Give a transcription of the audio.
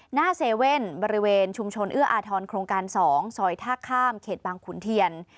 หน้าเซเว่นบริเวณชุมชนเอื้ออาทรโครงการ๒ซอยท่าข้ามเขตบางขุนเทียน